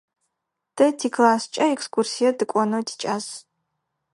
Тэ тикласскӏэ экскурсие тыкӏонэу тикӏас.